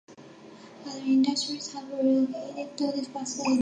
Other industries have relocated to this facility.